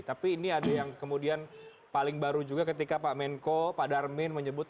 tapi ini ada yang kemudian paling baru juga ketika pak menko pak darmin menyebut